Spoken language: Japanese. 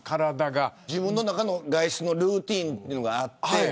自分の中の外出のルーティンがあって。